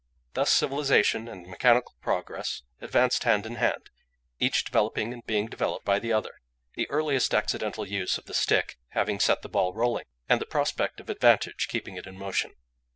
"Thus civilisation and mechanical progress advanced hand in hand, each developing and being developed by the other, the earliest accidental use of the stick having set the ball rolling, and the prospect of advantage keeping it in motion.